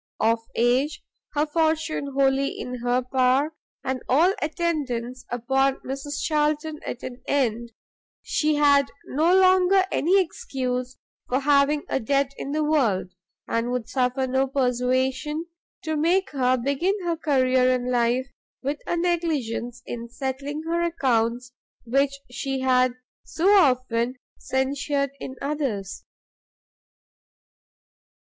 Of age, her fortune wholly in her power, and all attendance upon Mrs Charlton at an end, she had no longer any excuse for having a debt in the world, and would suffer no persuasion to make her begin her career in life, with a negligence in settling her accounts which she had so often censured in others.